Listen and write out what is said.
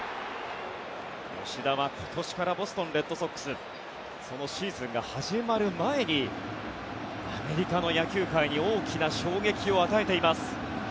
吉田は今年からボストン・レッドソックスそのシーズンが始まる前にアメリカの野球界に大きな衝撃を与えています。